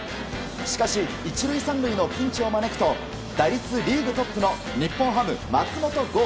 しかし１塁３塁のピンチを招くと打率リーグトップの日本ハム、松本剛。